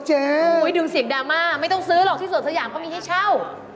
ซึ่งส่วนสัญญาณเม่าเวลาเขามีให้เช่า